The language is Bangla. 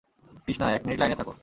কৃষ্ণা, এক মিনিট লাইনে থাকো।